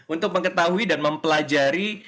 untuk mengetahui dan mempelajari